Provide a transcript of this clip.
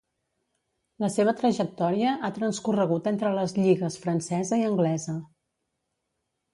La seva trajectòria ha transcorregut entre les lligues francesa i anglesa.